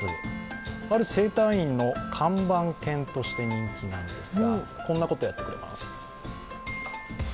ある整体院の看板犬として人気なんですがこんなことやってくれます。